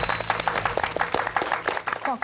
さあ